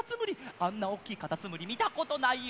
あんなおっきいカタツムリみたことないよ！